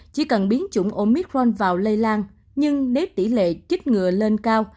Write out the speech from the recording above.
chỉ cần biến chủng omitron vào lây lan nhưng nếu tỷ lệ chích ngừa lên cao